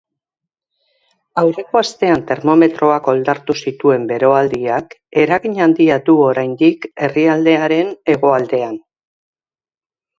Aurreko astean termometroak oldartu zituen beroaldiak eragin handia du oraindik herrialdearen hegoaldean.